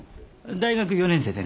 大学４年生でね